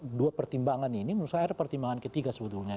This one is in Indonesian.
nah dua pertimbangan ini menurut saya ada pertimbangan ketiga sebetulnya